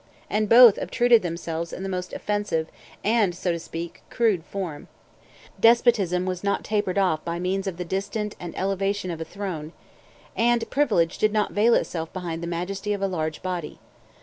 And both obtruded themselves in the most offensive, and, so to speak, crude form. Despotism was not tapered off by means of the distant and elevation of a throne; and privilege did not veil itself behind the majesty of a large body.